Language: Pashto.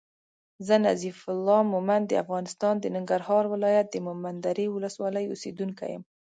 زه نظیف الله مومند د افغانستان د ننګرهار ولایت د مومندرې ولسوالی اوسېدونکی یم